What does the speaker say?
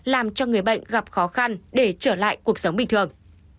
làm cho người bệnh gặp khó khăn để trở lại cuộc sống bình thường